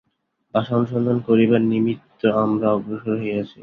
বাসা অনুসন্ধান করিবার নিমিত্ত আমরা অগ্রসর হইয়াছি।